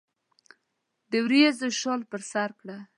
دوریځو شال پر سرکړه